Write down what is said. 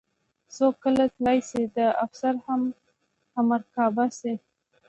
څوک کله تلی شي د افسر همرکابه شي.